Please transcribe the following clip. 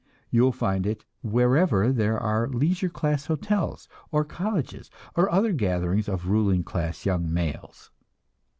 You will find it wherever there are leisure class hotels, or colleges, or other gatherings of ruling class young males.